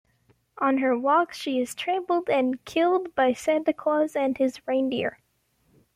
On her walk, she is trampled and killed by Santa Claus and his reindeer.